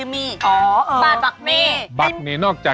ไม่แน่ใจ